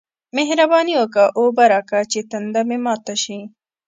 مهرباني وکه! اوبه راکه چې تنده مې ماته شي